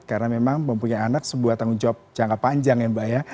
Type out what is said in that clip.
karena memang mempunyai anak sebuah tanggung jawab jangka panjang ya mbak ya